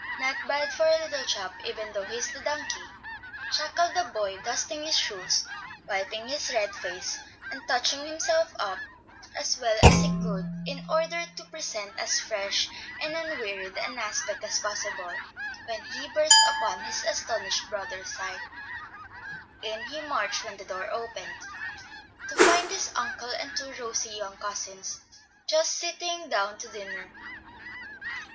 "Not bad for a 'little chap,' even though he is 'a donkey,'" chuckled the boy, dusting his shoes, wiping his red face, and touching himself up as well as he could, in order to present as fresh and unwearied an aspect as possible, when he burst upon his astonished brother's sight. In he marched when the door opened, to find his uncle and two rosy cousins just sitting down to dinner.